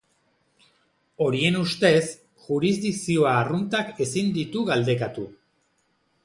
Horien ustez, jurisdikzioa arruntak ezin ditu galdekatu.